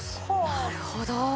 なるほど。